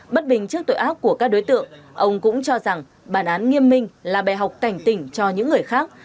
bất bình trước tội ác của các đối tượng ông cũng cho rằng bản án nghiêm minh là bè học cảnh tỉnh cho những người khác